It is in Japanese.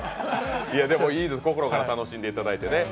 でも、いいです、心から楽しんでいただいてね。